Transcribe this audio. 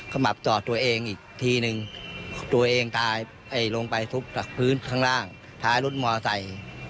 ก็ไม่ได้ยินเสียงของทั้งคู่ทะเลาะกันแต่อย่างใด